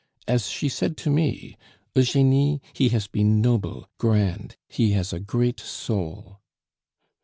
As she said to me 'Eugenie, he has been noble, grand he has a great soul.